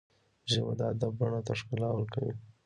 ژبه د ادب بڼ ته ښکلا ورکوي